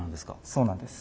そうなんです。